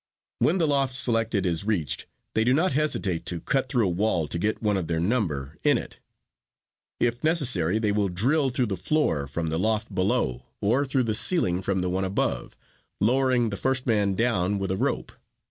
When the loft selected is reached they do not hesitate to cut through a wall to get one of their number in it; if necessary they will drill through the floor from the loft below or through the ceiling from the one above, lowering the first man down with a rope.